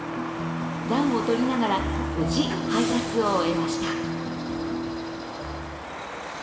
暖を取りながら、無事配達を終えました。